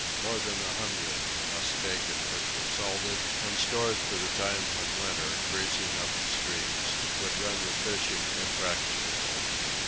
More than a hundred were thus taken, which were salted and stored for the time when winter, freezing up the streams, would render fishing impracticable.